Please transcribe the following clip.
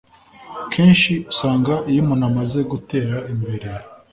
Kenshi usanga iyo umuntu amaze gutera imbere